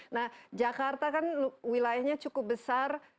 nah jakarta kan wilayahnya cukup besar